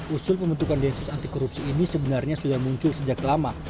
usul pembentukan densus anti korupsi ini sebenarnya sudah muncul sejak lama